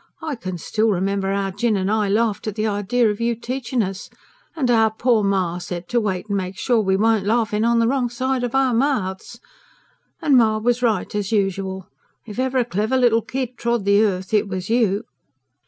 I can still remember 'ow Jinn and I laughed at the idea of you teaching us; and 'ow poor ma said to wait and make sure we weren't laughing on the wrong side of our mouths. And ma was right as usual. For if ever a clever little kid trod the earth, it was you."